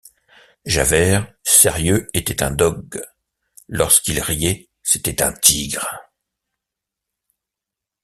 Javert sérieux était un dogue ; lorsqu’il riait, c’était un tigre.